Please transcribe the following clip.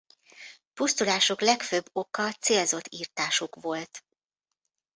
Pusztulásuk legfőbb oka célzott irtásuk volt.